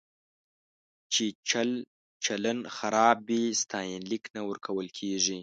چې چلچلن خراب وي، ستاینلیک نه ورکول کېږي.